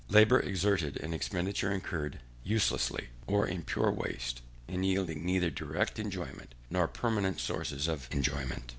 Labour exerted and expenditure incurred uselessly, or in pure waste, and yielding neither direct enjoyment nor permanent sources of enjoyment.